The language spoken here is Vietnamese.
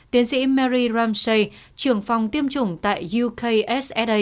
tiến sĩ mary ramsey trưởng phòng tiêm chủng tại ukssa